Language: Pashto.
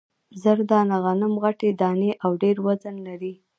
زر دانه غنم غټې دانې او ډېر وزن لري.